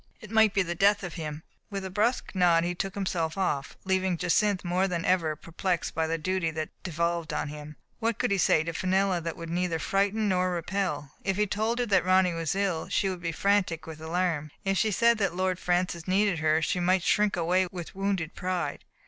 It might be the death of him.'* And with a brusque nod he took himself off, leaving Jacynth more than ever perplexed by the duty that devolved on him. What could he say to Fenella that would neither frighten nor repel? If he told her that Ronny was ill, she would be frantic with alarm. If he said that Lord Francis needed her, she might shrink away with wounded pride.